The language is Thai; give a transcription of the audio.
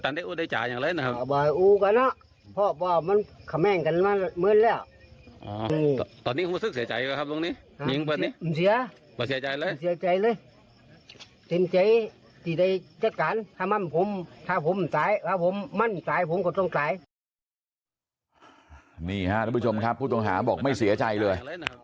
นี่ค่ะทุกผู้ชมครับผู้ต้องหาบอกไม่เสียใจเลย